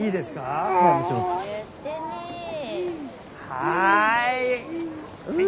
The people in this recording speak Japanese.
はい。